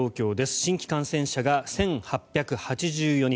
新規感染者が１８８４人。